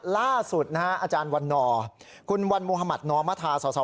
ล่าสุดนะฮะอาจารย์วันนอร์คุณวันมุธมัธนอมธาสอสอ